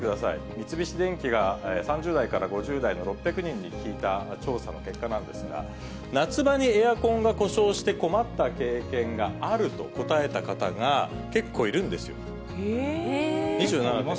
三菱電機が３０代から５０代の６００人に聞いた調査の結果なんですが、夏場にエアコンが故障して困った経験があると答えた方が結構いるえー。